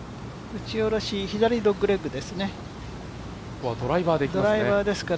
打ち下ろし、左ドッグレッグで左サイドですね。